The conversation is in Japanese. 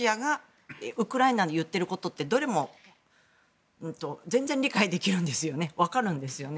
ウクライナがロシアに言っていることって、どれも全然理解できるんですよね分かるんですよね。